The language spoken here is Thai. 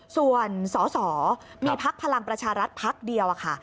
ส่วนสอสอมีพักพลังประชารัฐพักเดียวค่ะ